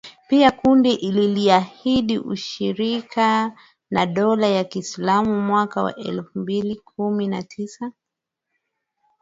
Pia kundi liliahidi ushirika na dola la kiislamu mwaka wa elfu mbili kumi na tisa.